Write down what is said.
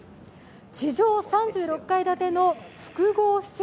地上３６階建ての複合施設